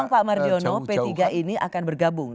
pak mardiono p tiga ini akan bergabung